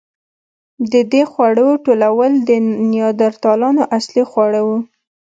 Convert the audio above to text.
د دې خوړو ټولول د نیاندرتالانو اصلي خواړه وو.